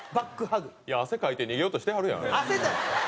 いや汗かいて逃げようとしてはるやん。